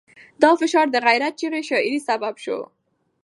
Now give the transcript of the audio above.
دا فشار د غیرت چغې شاعرۍ سبب شو.